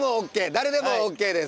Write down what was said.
誰でもＯＫです！